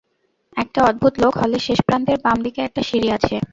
একটা অদ্ভুত লোক, হলের শেষ প্রান্তের, বামদিকে একটা সিঁড়ি আছে।